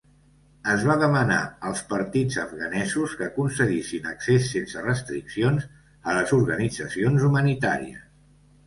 Es va demanar als partits afganesos que concedissin accés sense restriccions a les organitzacions humanitàries.